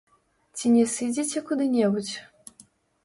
Ці не сыдзеце куды-небудзь.